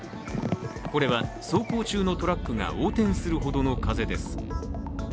これは走行中のトラックが横転するほどの風です。